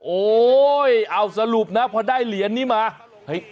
โอ๊ยเอาสรุปนะพอได้เหรียญนี้มา